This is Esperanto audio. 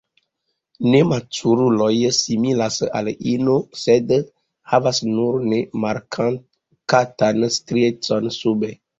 Nematuruloj similas al ino, sed havas nur ne markatan striecon sube.